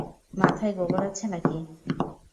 মাথায় গোবর আছে না কি?